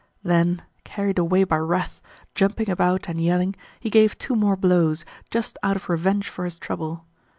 Then, carried away by wrath, jumping about and yelling, he gave two more blows, just out of revenge for his trouble.